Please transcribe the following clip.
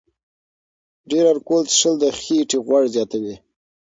ډېر الکول څښل د خېټې غوړ زیاتوي.